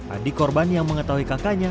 adik korban yang mengetahui kakaknya